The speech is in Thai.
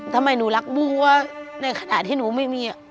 ทำไมหนูรักบุ้งว่าในขณะที่หนูไม่มี